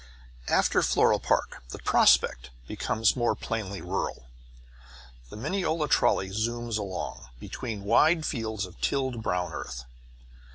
After Floral Park the prospect becomes more plainly rural. The Mineola trolley zooms along, between wide fields of tilled brown earth.